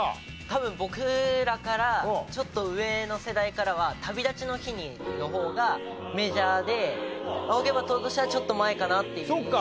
多分僕らからちょっと上の世代からは『旅立ちの日に』の方がメジャーで『仰げば尊し』はちょっと前かなっていう印象が。